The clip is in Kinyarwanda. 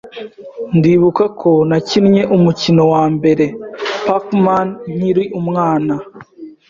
Ndibuka ko nakinnye umukino wambere Pac-Man nkiri umwana.